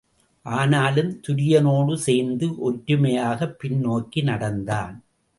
ஆனாலும் துரியனோடு சேர்ந்து ஒற்றுமையாகப் பின் நோக்கி நடந்தான்.